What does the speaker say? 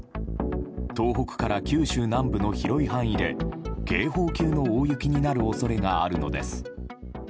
東北から九州南部の広い範囲で警報級の大雪になる恐れがあるのです。